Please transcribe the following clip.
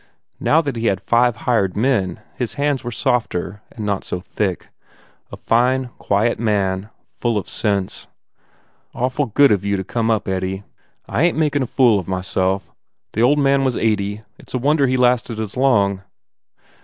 Now that he had five hired men his hands were softer and not so thick. A fine, quiet man, full of sense. "Awful good of you to come up, Eddie. I 25 6 THE IDOLATER ain t makin a fool of myself. The old man was eighty. It s a wonder he lasted as long."